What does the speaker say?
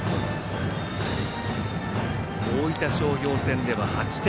大分商業戦では８点。